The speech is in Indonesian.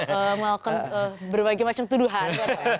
melakukan berbagai macam tuduhan